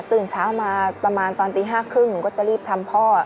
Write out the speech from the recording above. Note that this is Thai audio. ตื่นเช้ามาประมาณตอนตี๕๓๐หนูก็จะรีบทำพ่อ